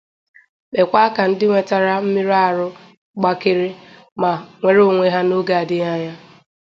kpekwa ka ndị nwetara mmerụahụ gbakere ma nwere onwe ha n'oge adịghị anya.